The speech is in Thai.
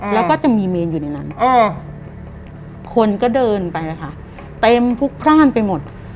แล้วก็จะมีเมนอยู่ในนั้นคนก็เดินไปค่ะเต็มพลุกพร่านไปหมด